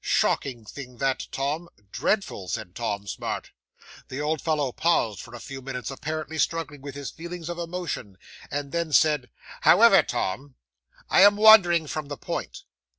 Shocking thing that, Tom." '"Dreadful!" said Tom Smart. 'The old fellow paused for a few minutes, apparently struggling with his feelings of emotion, and then said '"However, Tom, I am wandering from the point.